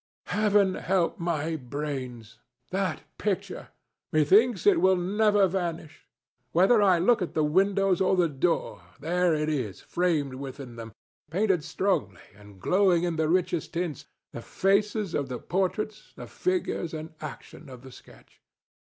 "Heaven help my brains! That picture! Methinks it will never vanish. Whether I look at the windows or the door, there it is framed within them, painted strongly and glowing in the richest tints—the faces of the portraits, the figures and action of the sketch!"